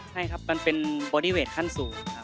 ใช่ครับมันเป็นบอดี้เวทขั้นสูงครับ